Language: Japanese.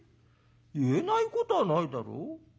「言えないことはないだろ。